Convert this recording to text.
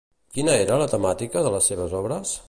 Quina era la temàtica de les seves obres?